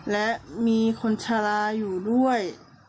และมีคนชะลาอยู่ด้วย